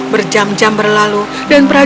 berjam jam berlalu dan prajuritnya berubah